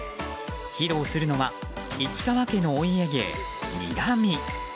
披露するのは市川家のお家芸、にらみ。